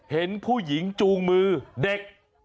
เห็นผู้หญิงจูงมือเด็ก